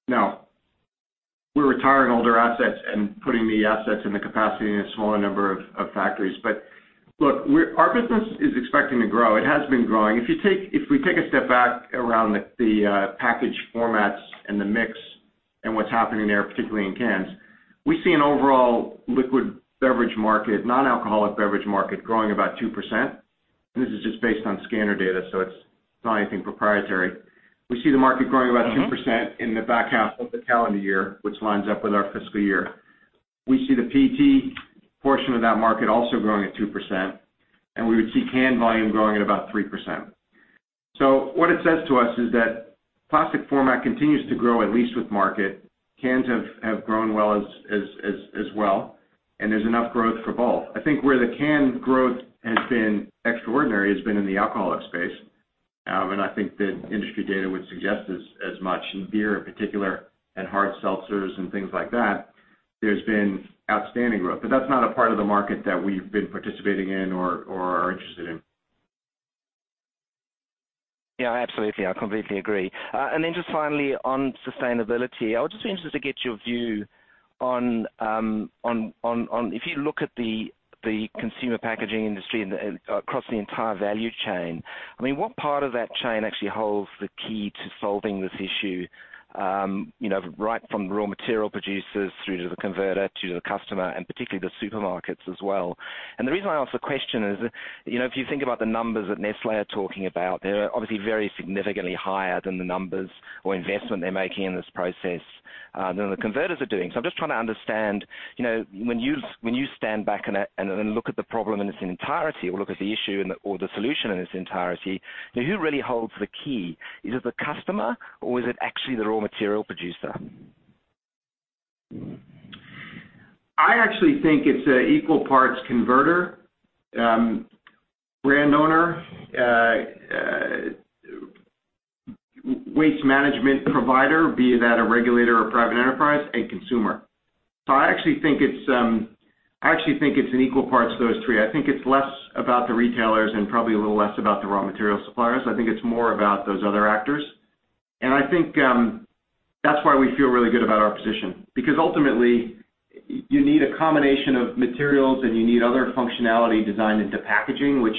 No. We're retiring older assets and putting the assets in the capacity in a smaller number of factories. But look, we're our business is expecting to grow. It has been growing. If you take if we take a step back around the package formats and the mix and what's happening there, particularly in cans, we see an overall liquid beverage market, non-alcoholic beverage market, growing about 2%. And this is just based on scanner data, so it's not anything proprietary. We see the market growing about 2% in the back half of the calendar year, which lines up with our fiscal year. We see the PET portion of that market also growing at 2%, and we would see canned volume growing at about 3%. So what it says to us is that plastic format continues to grow, at least with market. Cans have grown well as well, and there's enough growth for both. I think where the can growth has been extraordinary has been in the alcoholic space. And I think the industry data would suggest as much. In beer, in particular, and hard seltzers and things like that, there's been outstanding growth, but that's not a part of the market that we've been participating in or are interested in. Yeah, absolutely. I completely agree. And then just finally, on sustainability, I would just be interested to get your view on if you look at the consumer packaging industry and across the entire value chain, I mean, what part of that chain actually holds the key to solving this issue? You know, right from the raw material producers through to the converter, to the customer, and particularly the supermarkets as well. And the reason I ask the question is, you know, if you think about the numbers that Nestlé are talking about, they're obviously very significantly higher than the numbers or investment they're making in this process than the converters are doing. So I'm just trying to understand, you know, when you stand back and look at the problem in its entirety or look at the issue or the solution in its entirety, who really holds the key? Is it the customer, or is it actually the raw material producer? I actually think it's equal parts converter, brand owner, waste management provider, be that a regulator or private enterprise, and consumer. So I actually think it's in equal parts, those three. I think it's less about the retailers and probably a little less about the raw material suppliers. I think it's more about those other actors. And I think that's why we feel really good about our position, because ultimately you need a combination of materials, and you need other functionality designed into packaging, which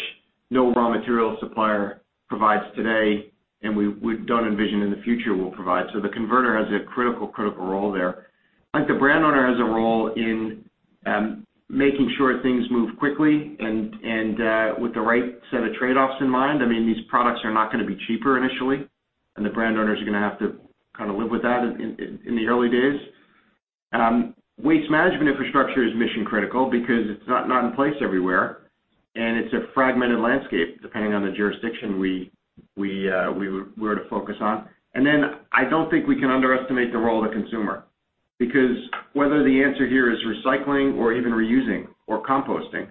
no raw material supplier provides today, and we don't envision in the future will provide. So the converter has a critical, critical role there. I think the brand owner has a role in making sure things move quickly and with the right set of trade-offs in mind. I mean, these products are not gonna be cheaper initially, and the brand owners are gonna have to kinda live with that in the early days. Waste management infrastructure is mission-critical because it's not in place everywhere, and it's a fragmented landscape, depending on the jurisdiction we were to focus on. And then I don't think we can underestimate the role of the consumer, because whether the answer here is recycling or even reusing or composting,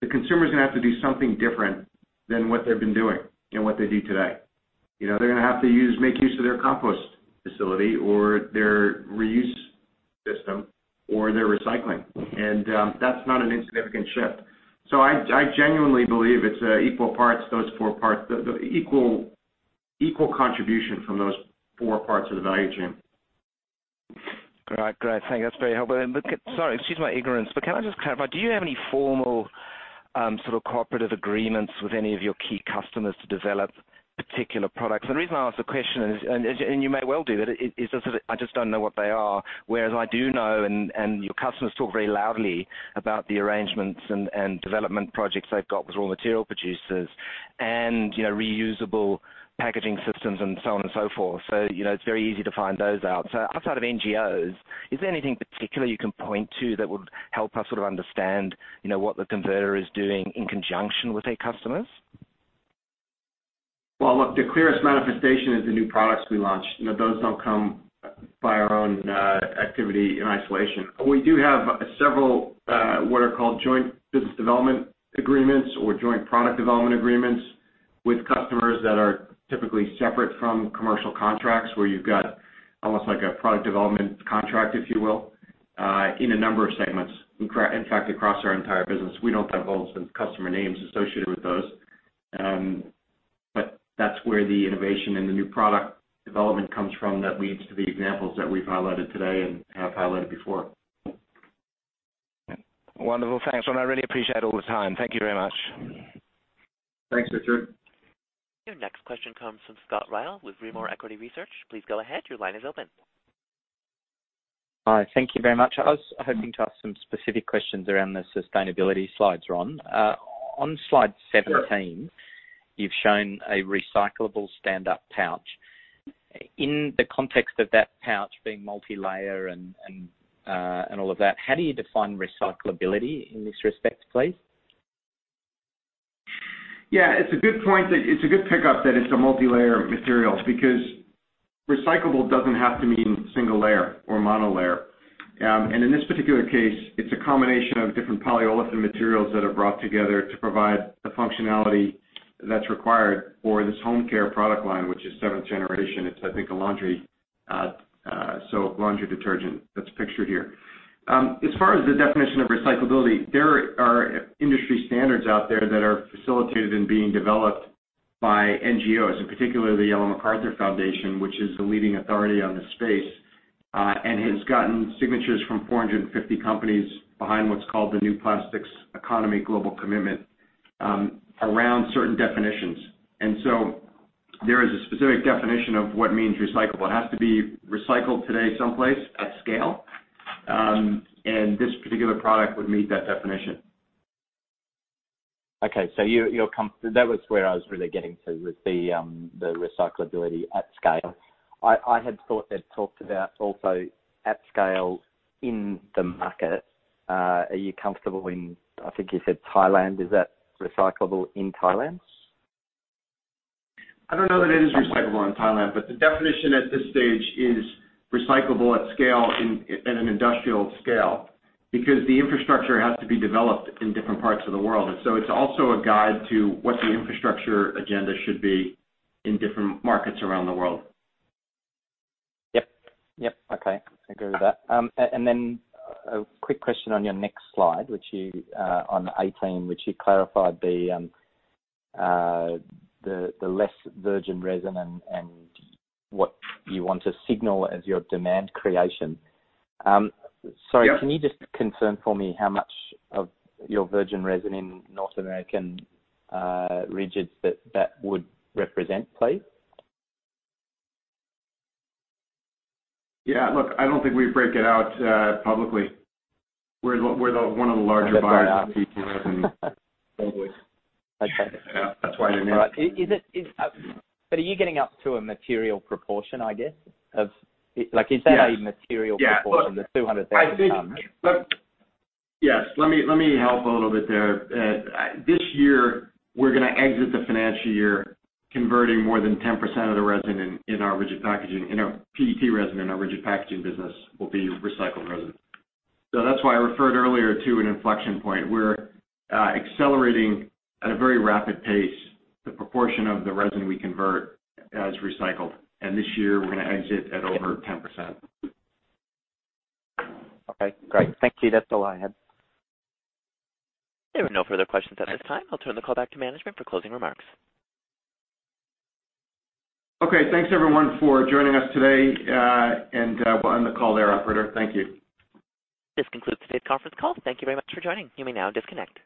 the consumer's gonna have to do something different than what they've been doing and what they do today. You know, they're gonna have to make use of their compost facility or their reuse system or their recycling, and that's not an insignificant shift. I genuinely believe it's equal parts, those four parts, the equal contribution from those four parts of the value chain. Great. Great. Thank you. That's very helpful. But then, look, sorry, excuse my ignorance, but can I just clarify? Do you have any formal, sort of cooperative agreements with any of your key customers to develop particular products? The reason I ask the question is, you may well do. It is just that I just don't know what they are. Whereas I do know, and your customers talk very loudly about the arrangements and development projects they've got with raw material producers and, you know, reusable packaging systems and so on and so forth. So, you know, it's very easy to find those out. So outside of NGOs, is there anything particular you can point to that would help us sort of understand, you know, what the converter is doing in conjunction with their customers? Look, the clearest manifestation is the new products we launched. You know, those don't come by our own activity in isolation. We do have several what are called joint business development agreements or joint product development agreements with customers that are typically separate from commercial contracts, where you've got almost like a product development contract, if you will, in a number of segments. In fact, across our entire business, we don't have all the customer names associated with those. But that's where the innovation and the new product development comes from. That leads to the examples that we've highlighted today and have highlighted before. Wonderful. Thanks. Well, I really appreciate all the time. Thank you very much. Thanks, Richard. Your next question comes from Scott Rydle with B. Riley Equity Research. Please go ahead. Your line is open. Hi, thank you very much. I was hoping to ask some specific questions around the sustainability slides, Ron. On slide seventeen. Sure. You've shown a recyclable stand-up pouch. In the context of that pouch being multilayer and all of that, how do you define recyclability in this respect, please? Yeah, it's a good point. It's a good pickup that it's a multilayer material, because recyclable doesn't have to mean single layer or monolayer, and in this particular case, it's a combination of different polyolefin materials that are brought together to provide the functionality that's required for this home care product line, which is Seventh Generation. It's, I think, a laundry, so laundry detergent that's pictured here. As far as the definition of recyclability, there are industry standards out there that are facilitated and being developed by NGOs, in particular the Ellen MacArthur Foundation, which is the leading authority on this space, and has gotten signatures from 450 companies behind what's called the New Plastics Economy Global Commitment, around certain definitions, and so there is a specific definition of what means recyclable. It has to be recycled today, someplace at scale, and this particular product would meet that definition. Okay, so that was where I was really getting to, with the recyclability at scale. I had thought they'd talked about also at scale in the market. Are you comfortable in, I think you said Thailand? Is that recyclable in Thailand? I don't know that it is recyclable in Thailand, but the definition at this stage is recyclable at scale, in an industrial scale, because the infrastructure has to be developed in different parts of the world, and so it's also a guide to what the infrastructure agenda should be in different markets around the world. Yep. Yep. Okay, I agree with that. And then a quick question on your next slide, which you on 18, which you clarified the the less virgin resin and what you want to signal as your demand creation. Sorry- Yeah. Can you just confirm for me how much of your virgin resin in North American rigids that would represent, please? Yeah. Look, I don't think we break it out publicly. We're the one of the larger buyers in the world. Okay. Yeah, that's why I mentioned. But are you getting up to a material proportion, I guess, of like- Yes. You said a material proportion- Yeah. the 200,000 tons. I think, look. Yes. Let me, let me help a little bit there. This year, we're gonna exit the financial year, converting more than 10% of the resin in our rigid packaging. In our PET resin, in our rigid packaging business will be recycled resin. So that's why I referred earlier to an inflection point. We're accelerating at a very rapid pace, the proportion of the resin we convert as recycled, and this year we're gonna exit at over 10%. Okay, great. Thank you. That's all I had. There are no further questions at this time. I'll turn the call back to management for closing remarks. Okay. Thanks, everyone, for joining us today, and we'll end the call there, operator. Thank you. This concludes today's conference call. Thank you very much for joining. You may now disconnect.